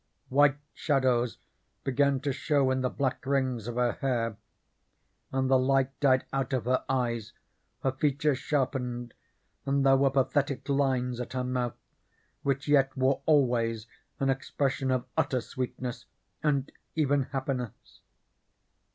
White shadows began to show in the black rings of her hair, and the light died out of her eyes, her features sharpened, and there were pathetic lines at her mouth, which yet wore always an expression of utter sweetness and even happiness.